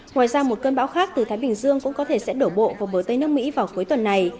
ngoài ra một cơn bão khác từ thái bình dương cũng có thể sẽ đổ bộ vào bờ tây nước mỹ vào cuối tuần này